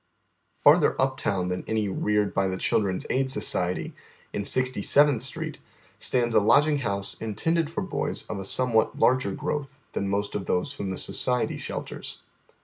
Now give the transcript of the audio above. Farther uptown than any reared by the Children's Aid Society, in Sixty seventh Street, stands a lodging house intended for boys of a somewhat larger growth than most of those whom the Society shelters.